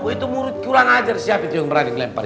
itu murid kurang ajar siap itu yang berani melempar